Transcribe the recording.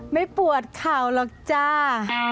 ไม่ปวดเข่าหรอกจ้า